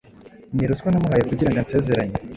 ni ruswa namuhaye kugirango ansezeranye